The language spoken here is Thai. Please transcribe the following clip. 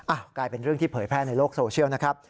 กลายเป็นเรื่องที่เผยแพร่ในโลกโซเชียลนะครับ